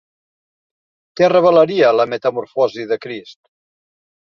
Què revelaria la metamorfosi de Crist?